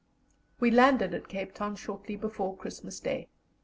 We landed at Cape Town shortly before Christmas Day.